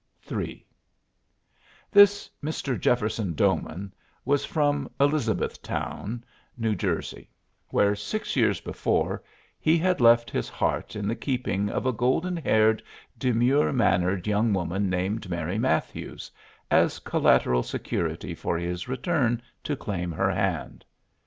III This Mr. Jefferson Doman was from Elizabethtown, New Jersey, where six years before he had left his heart in the keeping of a golden haired, demure mannered young woman named Mary Matthews, as collateral security for his return to claim her hand.